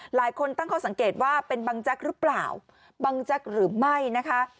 หลายคนตั้งข้อสังเกตว่าเป็นบังแจ๊กหรือเปล่าบังแจ๊กหรือไม่นะคะ